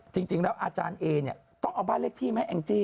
จริงแล้วอาจารย์เอเนี่ยต้องเอาบ้านเลขที่ไหมแองจี้